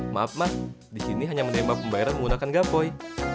maaf mas disini hanya menerima pembayaran menggunakan gapoy